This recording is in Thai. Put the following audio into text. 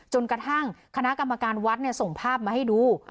จนกระทั่งคณะกรรมการวัดส่งภาพมาให้ดู